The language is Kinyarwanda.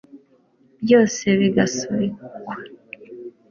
byose bigasubikwa